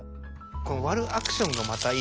この割るアクションがまたいい。